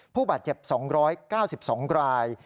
ผู้บาดเจ็บ๒๙๒ราย